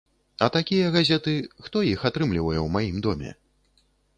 А такія газеты, хто іх атрымлівае ў маім доме?